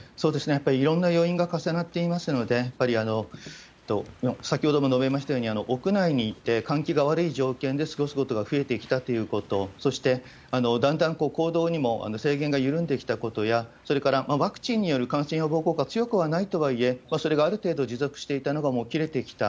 やっぱりいろんな要因が重なっていますので、やっぱり先ほども述べましたように、屋内にいて換気が悪い条件で過ごすことが増えてきたということ、そして、だんだん行動にも制限が緩んできたことや、それから、ワクチンによる感染予防効果は強くはないとはいえ、それがある程度持続していたのが、もう切れてきた。